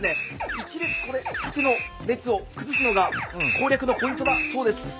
１列、縦の列を崩すのが攻略のポイントだそうです。